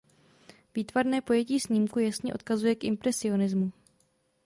Výtvarné pojetí snímku jasně odkazuje k impresionismu.